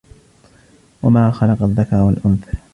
وما خلق الذكر والأنثى